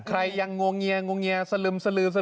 ใครยังงวงเงียสลึม